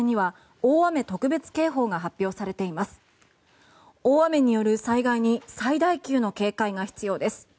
大雨による災害に最大級の警戒が必要です。